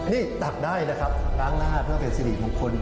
นี่ตักได้นะครับล้างหน้าเพื่อเป็นสิริมงคล